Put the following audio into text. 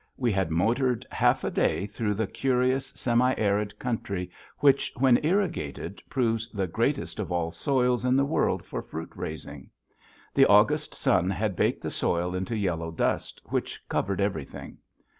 We had motored half a day through that curious, semi arid country, which, when irrigated, proves the greatest of all soils in the world for fruit raising. The August sun had baked the soil into yellow dust which covered everything.